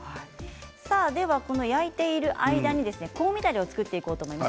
焼いている間に香味だれを作っていこうと思います。